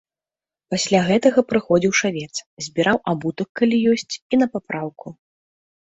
Пасля гэтага прыходзіў шавец, збіраў абутак, калі ёсць і на папраўку.